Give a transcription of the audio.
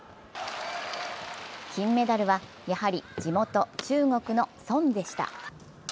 金メダルは、やはり地元・中国のソンでした。